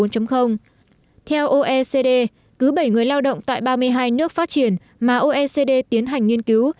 theo oecd cứ bảy người lao động tại ba mươi hai nước phát triển mà oecd tiến hành nghiên cứu